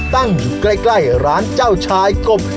ตั้งอยู่ใกล้ร้านเจ้าชายกบ